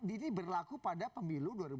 ini berlaku pada pemilu dua ribu sembilan belas